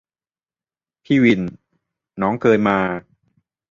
พี่วิน : น้องเคยมา